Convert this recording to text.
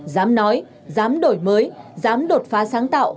dám nói dám đổi mới dám đột phá sáng tạo